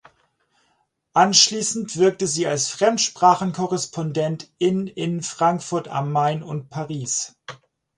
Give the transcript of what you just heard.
Anschließend wirkte sie als Fremdsprachenkorrespondentin in Frankfurt am Main und Paris.